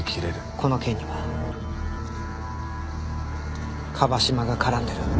この件には椛島が絡んでる。